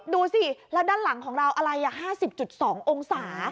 ดูสิแล้วด้านหลังของเราอะไรห้าสิบจุดสององศา